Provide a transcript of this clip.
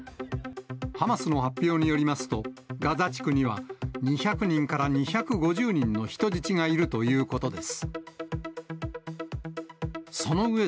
ハマスの発表によりますと、ガザ地区には２００人から２５０人の人質がいるということです。